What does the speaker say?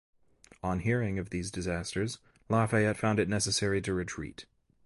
On hearing of these disasters Lafayette found it necessary to retreat.